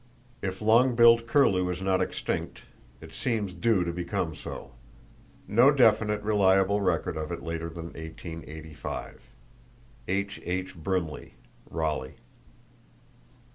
If long billed curlew is not extinct, it seems due to become so. No definite, reliable record of it later than 1885.—(H.H. Brimley, Raleigh.)